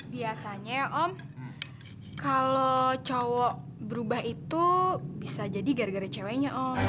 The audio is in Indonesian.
biasanya om kalau cowok berubah itu bisa jadi gara gara ceweknya om